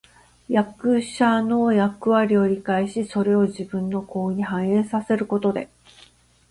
他者の役割を理解し、それを自己の行動に反映させることで、我々はお互いの行動を予測し、相互作用をなめらかに進めることができるようになる。